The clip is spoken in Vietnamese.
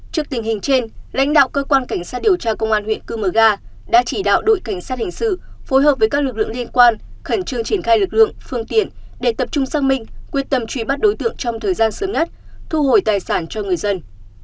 trước tình hình trên lãnh đạo cơ quan cảnh sát điều tra công an huyện cư mờ ga đã chỉ đạo đội cảnh sát hình sự phối hợp với các lực lượng liên quan khẩn trương triển khai lực lượng phương tiện để tập trung sang minh quyết tâm truy bắt đối tượng trong thời gian sớm nhất thu hồi tài sản cho người dân